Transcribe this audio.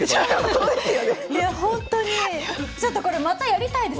いやほんとにちょっとこれまたやりたいですでも！